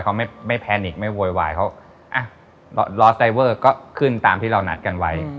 เขาไม่แพนิกไม่โวยวายเขาอ่ะลอสไซเวอร์ก็ขึ้นตามที่เรานัดกันไว้